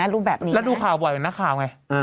แล้วดูข่าวบ่อยนักข่าวไง